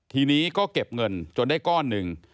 ทีนี้ก็เก็บเงินจนได้ก้อนหนึ่ง